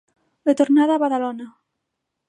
De tornada a Badalona.